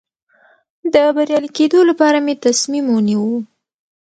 د بریالي کېدو لپاره مې تصمیم ونیو.